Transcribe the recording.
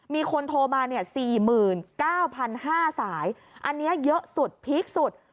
มีคนโทรมา๔๙๕๐๐สายอันนี้เยอะสุดพีคสุด